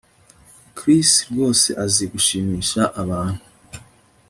Chris rwose azi gushimisha abantu